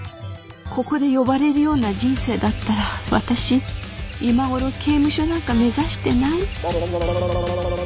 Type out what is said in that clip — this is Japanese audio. ここで呼ばれるような人生だったら私今頃刑務所なんか目指してない。